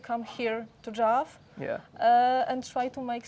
dan mencoba untuk membuat sesuatu dengan tradisi kain